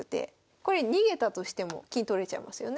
これ逃げたとしても金取られちゃいますよね。